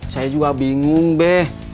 saya juga bingung be